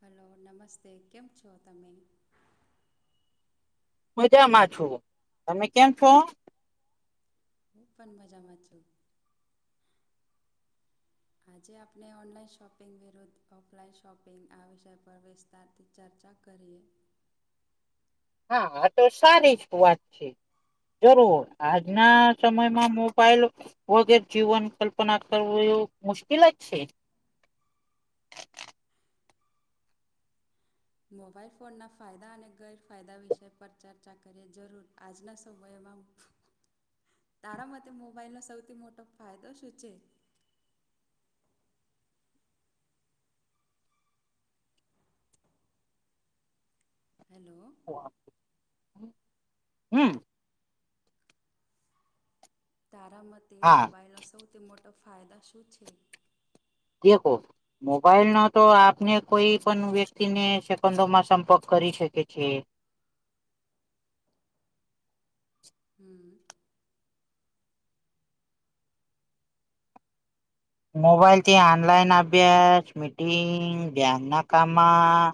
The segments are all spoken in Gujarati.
હલો નમસ્તે. કેમ છો તમે? મજામાં છું. તમે કેમ છો? હું પન મજામાં છું. આજે આપને ઓનલાઈન શોપિંગ વિરુદ્ધ ઓફલાઈન શોપિંગ આ વિષય પર વિ સ્તાર થી ચર્ચા કરીએ. હા આ તો સારી જ વાત છે. જરૂર આજના સમયમાં મોબાઈલ વગેર જીવન કલ્પના કરવુ એવુ મુશ્કેલ જ છે. મોબાઈલ ફોનના ફાયદા અને ગેરફાયદા વિશે પર ચર્ચા કરીએ જરૂર આજના સમયમાં તારા મતે મોબાઈલ નો સૌથી મોટો ફાયદો શું છે? હેલો. [unintelligible] હમ તારા મતે હા મોબાાઈલનો સૌથી મોટો ફાયદો શું છે? કે કોક મોબાઈલ નો તો આપને કોઈ પન વ્યક્તિને સેકંડોમાં સંપર્ક કરી શકે છે. હમ. મોબાઈલ થી આનલાઈન અભ્યાસ મીટિંગ ધ્યાનના કામમાં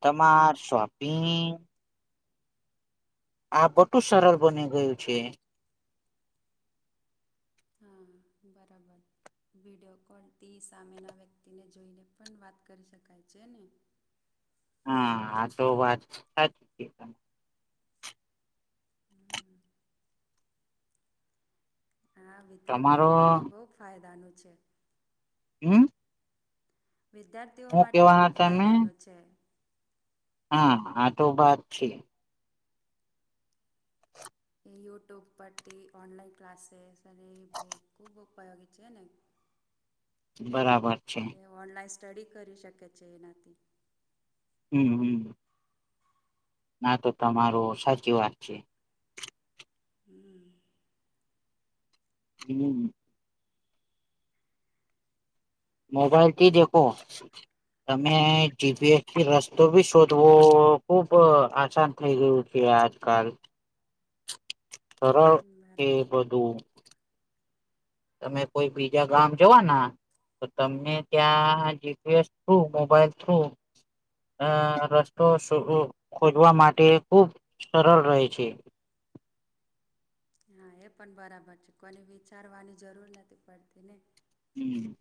તમાર શોપિંગ અ બધું સરળ બની ગયું છે. હમ બરાબર. વિડિયો કોલથી સામેના વ્યક્તિને જોઈને પન વાત કરી શકાય છે ને. હા આ તો વાત સા હમ. હા વિદ્યાર્થીઓ તમારો માટે બહુ ફાયદાનું છે. હમમ વિદ્યાર્થીઓ માટે બહુ કેવાના તમે ફાયદાનો છે. હા આ તો બાત છે. યુટ્યુબ પર થી ઓનલાઇન ક્લાસેસ અને બ ખૂબ ઉપયોગી છેને. [inaudible] બરાબર છે. ઓનલાઈન સ્ટડી કરી શકે છે એનાથી, હમમ હમ ના તો તમારો સાચી વાત છે. હમમમ હમમમ મોબાઈલ થી દેખો. તમે જીપીએસ થી રસ્તો બી શોધવો ખુબ આસાન. થઈ ગયું છે, આજકાલ [inaudible] સરળ કે બરાબર બધું. તમે કોઈ બીજા ગામ જવા ના. તો તમને ત્યાં જીપીએસ થ્રુ મોબાઈલ થ્રુ. અ રસ્તો શો ઓ ખોજવા માટે ખુબ સરળ રહે છે. હા એ પણ બરાબર છે કોને વિચારવાની જરૂર નથી પડતી ને. હમમ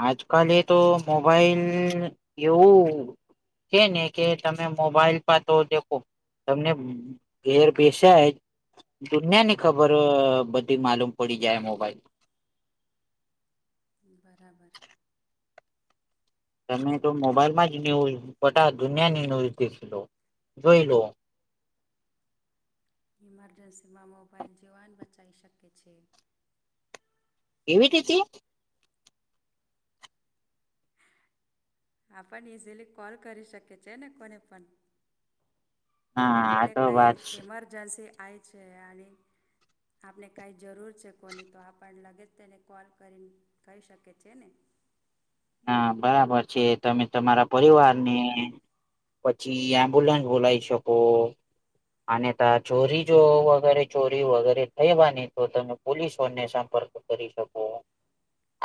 આજકાલે તો મોબાઈલ એવું. કે ને કે તમે મોબાઈલ માં તો દેખો તમને. ધેર બેસાય. દુનિયા ની ખબર બધી માલુમ પડી જાય મોબાઈલ. બરાબર. તમે તો મોબાઈલમાં જ ન્યૂઝ બટા દુનિયાની ન્યૂઝ દેખી લો જોઈ લો. ઇમરજન્સીમાં મોબાઈલ જીવાન બચાઈ શકે છે. કેવી રીતે? આપણ ઈઝીલી કોલ કરી શકે છે ને કોને પણ, હા આ આપને તો કઈ વાત ઈમરજન્સી આઈ છે આની. આપને કાંઈ જરૂર છે કોની તો આપણ લગે જ તેને કોલ કરીન. કહી શકે છે ને. હા બરાબર છે તમે તમારા પરિવાર ને, પછી એમ્બ્યુલન્સ બોલાઇ શકો. આને ત ચોરી જો વગરે ચોરી વગરે થઈવાની તો તમે પોલીસોને સંપર્ક. કરી શકો.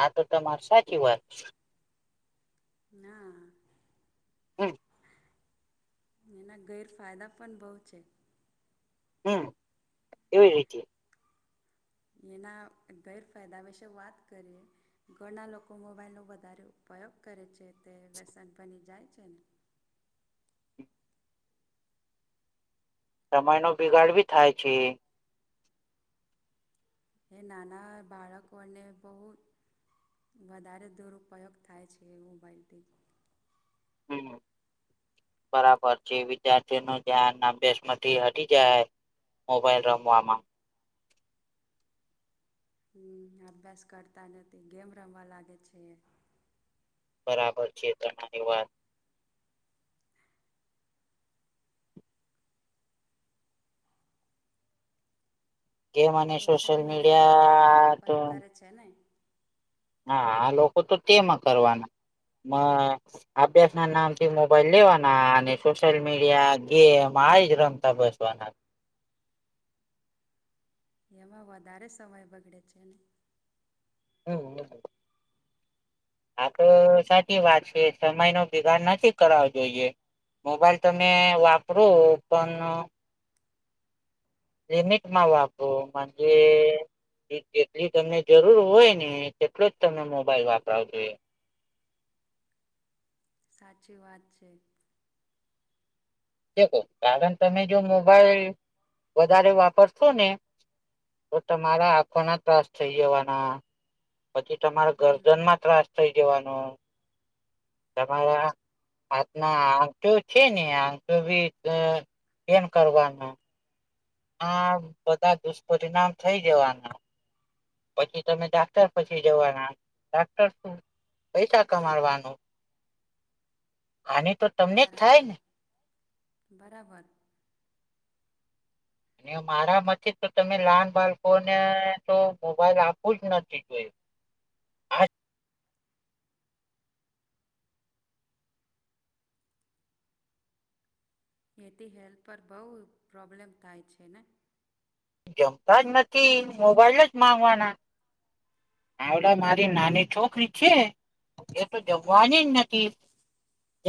આ તો તમાર સાચી વાત છે. ના. હમ. એના ગેરફાયદા પણ બઉ છે. હમ, એવી રીતે. એના ગેરફાયદા વિશે વાત કરીએ. ઘણા લોકો મોબાઈલનો વધારે ઉપયોગ કરે છે તે વ્યસન બની જાય છે ને સમયનો બિગાડ ભી થાય છે. એ નાના બાળકોને બહુ વધારે દુરુપયોગ થાય છે એ મોબાઈલથી હમ બરાબર છે વિદ્યાર્થીઓ નું ધ્યાન અભ્યાસ માંથી હટી જાય. મોબાઈલ રમવામાં હમ્મ અભ્યાસ કરતા નથી ગેમ રમવા લાગે છે. બરાબર છે તમારી વાત ગેમ અને સોશિયલ મીડિયાનો વધારે મીડિયા તો ઉપયોગ કરે છે ને હા આ લોકો તો તેમાં કરવાના માં અભ્યાસ ના નામ થી મોબાઈલ લેવાના અને સોશિયલ મીડિયા ગેમ આજ રમતા બેસવાના. એમાં વધારે સમય બગડે છે ને. હમ્મ [unintelligible] આ તો સાચી વાત છે સમયનો બિગાડ નથી કરવો જોઈએ. મોબાઈલ તમે વાપરો પણ લિમિટમાં વાપરો મંજે જેટલી તમને જરૂર હોય ને તેટલો જ તમને મોબાઈલ વાપરાવો જોઈએ. સાચી વાત છે. દેખો કારણ તમે જો મોબાઈલ વધારે વાપરશો ને તો તમારા આંખો ના ત્રાસ થઇ જવાના પછી તમારે ગરદન હમ માં ત્રાસ થઇ જવાનો તમારા હાથના આગળ છે ને [unintelligible] ભી કેમ કરવાના. આ બધા દુષ્પરિણામ થઇ જવાના પછી તમે ડાક્ટર પાસે જવાના ડાક્ટર શું પૈસા કમાવવાનું આને તો તમને જ થાય બરાબર ને બરાબર અને મારા મથી તો તમે લાન બાળકોને તો મોબાઈલ આપું જ નથી જોયું. આ એથી હેલ્થ પર બઉ પ્રોબ્લેમ થાય છે ને. જમતા જ નથી મોબાઈલ જ માંગવાના. આવડા મારી નાની છોકરી છે એ તો જમવાની જ હા નથી.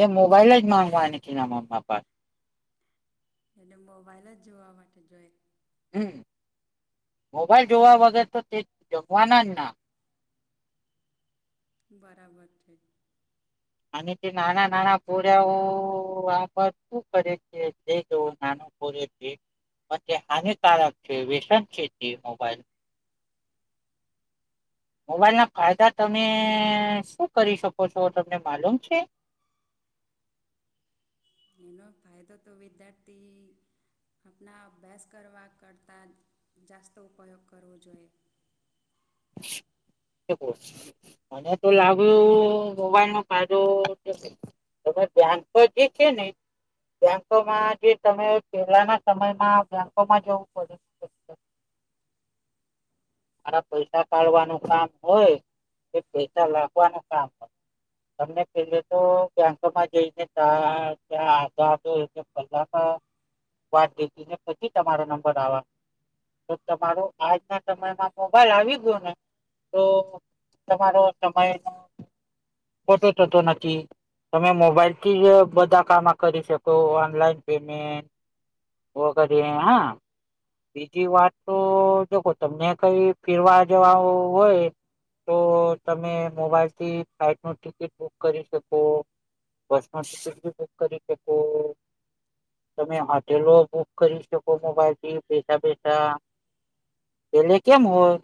એ મોબાઈલ જ માંગવા ની કે ના માં બાપ પાહે. એ ને મોબાઈલ જોવા માટે જોયે હમ્મ મોબાઈલ જોવા વગર તો તે જમવાના જ ના. બરાબર છે. અને તે નાના-નાના પોયરાઓ આ પર શું કરે છે જવો નાનો [unintelligible] અને તે હાનિકારક છે, વ્યસન છે, તે મોબાઈલ મોબાઈલ ના ફાયદા તમે શું કરી શકો છો, તમને માલુમ છે? એનો ફાયદો તો વિદ્યાર્થી આપણા અભ્યાસ કરવા કરતાં જાસ્તો ઉપયોગ કરવો જોઈએ. [unintelligible] મને તો લાગો મોબાઈલ નો ફાયદો તમે બ્યાન પર જે છે ને બેંકોમાં, જે તમે પહેલાના સમયમાં બેંકોમાં જવું પડે છે. મારા પૈસા કાઢવાનું કામ હોય, કે પૈસા નાખવાનું કામ હોય. તમને પેલે તો બેંકમાં જઈને ત્યાં આ [unintelligible] પેલામા, બાર બેસીને ને પછી તમારો નંબર આવવાનો. તો તમારો- આજના સમયમાં મોબાઈલ આવી ગયો ને, તો તમારો સમય ન- ખોટો થતો નથી. તમે મોબાઈલથી જ બધા કામ કરી શકો, ઓનલાઈન પેમેન્ટ- વો કરીએે હા- બીજી વાત તો, જો તમને કઈ ફીરવા જવા હોય- -તો, તમે મોબાઈલ થી ફ્લાઇટ નુ ટિકિટ બુક કરી શકો. બસ મા સીટ બી બુક કરી શકો. તમે- એલો બુક કરી શકો, મોબાઈલ થી બેઠા બેઠા - પેલે કેમ હોય?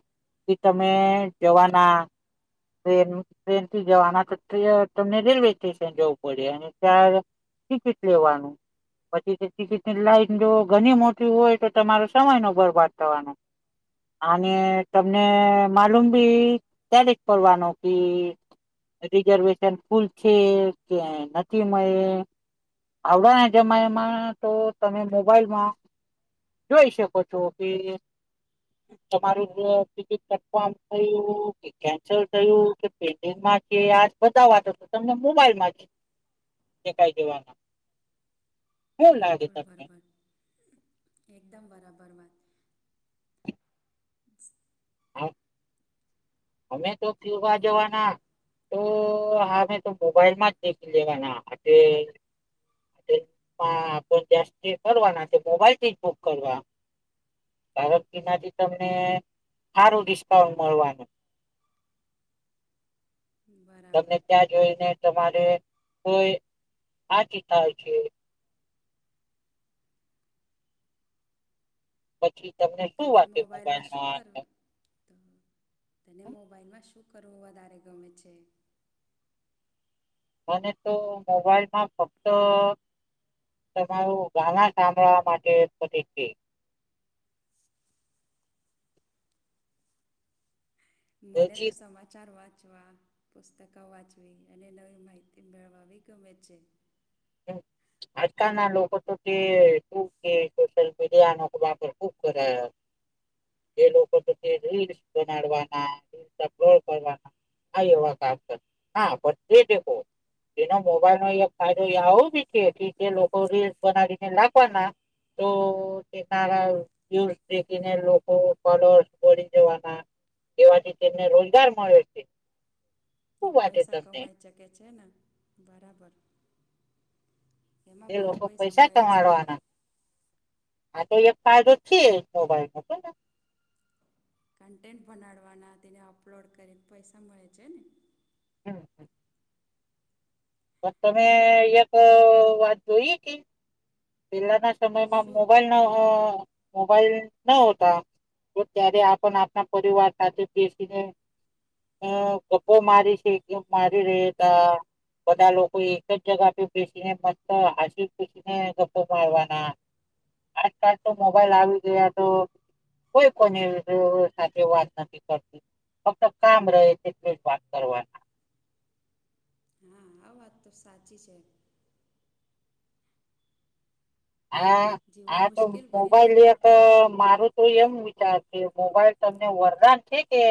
કે તમે જવાના- ટ્રેન ટ્રેનથી જવાના, તો તમને રેલવે સ્ટેશન જવું પડે અને તાર- ટિકિટ લેવાનું. પછી તો, ટિકિટની લાઈન જો ઘણી મોટી હોય તો તમારો સમય નો બરબાદ થવાનો. અને તમને માલુમ ભી ક્યારેક કરવાનોકી - રિઝર્વેશન ફૂલ છે, કે નથી મળે. આવડાના જમાઇ તો તમે મોબાઈલમાં- જોઈ શકો છો કે- તમારું ટિકિટ કન્ફમ થયુ કે- કેન્સલ થયું કે, પેન્ડીગ માં કે આ બધા વાતો તમને મોબાઈલ માંથી- કઈ જવાના. શું લાગે બિલકુલ તમને બરાબર, એકદમ બરાબર વાત - [inaudible] અમે તો ક્યુબા મોબ જવા ના. તો હામે તો મોબાઈલ માં જ દેખી લેવાના [unintelligible] [unintelligible] છે મોબાઈલ થી જ બુક કરવા. [unintelligible] તમને હારું ડિસ્કાઉન્ટ મળવાનું. બરાબર તમને ત્યાં જોઈને તમારે કોઈ આથી થાય છે. પછી તમને. શું તને વાંચે મોબાઈલમાં શું કરવું? તો તને મોબાઈલમાં શું કરવું વધારે ગમે છે? મને તો મોબાઈલ માં ફક્ત - -તમારું ગાના સાંભળવા માટે છે. મને તો મ્યુઝિક સમાચાર વાંચવા- પુસ્તકો વાંચવી અને નવી માહિતી મેળવવી ગમે છે. હમ્મ. આજકાલના લોકો, તો તે ખૂબ કે સોશલ મીડિયાનો વાપર ખૂબ કરે. [inaudible] એ લોકો તો, રીલ્સ બનાડવાના રીલ અપલોડ કરવાના. આ એવા કામ કરતા, હા પણ એ દેખો તેનો મોબાઈલ નો એક ફાય- -જો આવું બી છે, જે લોકો રીલ્સ બનાવીને લાખવાના તો- કે, તારા રીલ્સ દેખીને લોકો ફોલોઅર્સ બઢી જવાના. એવાથી તેમને રોજગાર મળે છે. શું વાટે પૈસા તમને કમાઈ શકે છે ને બરાબર. એમાં એ બઉ લોકો પૈસા મળે છે. કમાડવાના આ તો એક ફાયદો છે ને મોબાઈલનો. કન્ટેન્ટ ભનાડવાના તેને અપલોડ કરીને પૈસા મળે છે ને. [inaudible] પણ તમે એક વાત જોઈ કે પેલાના સમયમાં શું મોબાઈલ. મોબાઈલ નો હોતા. તો ત્યારે આપણ આપના પરિવાર સાથે બેસીને. હ, કપ્પો મારી છે કે મારી રે તા. બધા લોકો એક જ જગા પર બેસીને મસ્ત હસી પસીને ગપ્પા મારવાના. આજકાલ તો મોબાઈલ આવી ગયા તો. કોઈ કોની સાથે વાત નથી કર ફક્ત કામ રહે તેટલું જ વાત કરવાના. હા, આ વાત તો સાચી છે. હા, જીવન આ તો મુશ્કેલ બની જાય મોબાઈલ પણ એક થોડો મારું. તો એમ વિચાર છે, મોબાઈલ તમને વરદાન છે કે,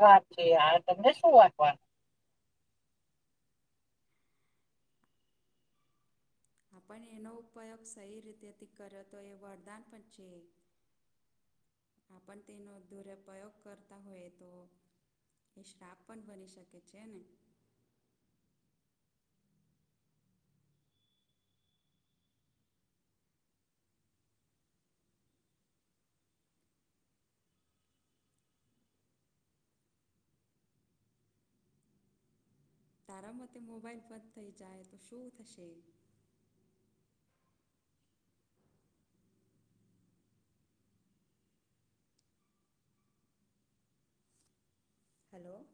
વાત છે, હ તમને શું વાંચવાનું? આપણે એનો ઉપયોગ સહી રીતેથી કર્યો તો એ વરદાન પણ છે. આપણ તેનો દુરપયોગ કરતા હોય તો. એ શ્રાપ પણ બની શકે છે ને. તારા મતે મોબાઈલ બંધ થઈ જાય, તો શું થશે? હલો.